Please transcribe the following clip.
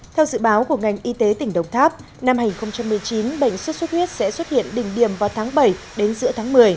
theo dự báo của ngành y tế tỉnh đồng tháp năm hai nghìn một mươi chín bệnh xuất xuất huyết sẽ xuất hiện đỉnh điểm vào tháng bảy đến giữa tháng một mươi